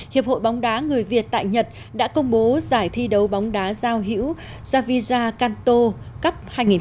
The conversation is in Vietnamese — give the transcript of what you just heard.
hiệp hội bóng đá người việt tại nhật đã công bố giải thi đấu bóng đá giao hữu favisa kanto cấp hai nghìn một mươi tám